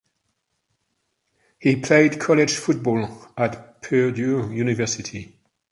He played college football at Purdue University.